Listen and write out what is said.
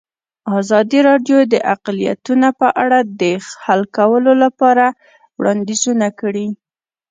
ازادي راډیو د اقلیتونه په اړه د حل کولو لپاره وړاندیزونه کړي.